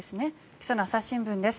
今朝の朝日新聞です。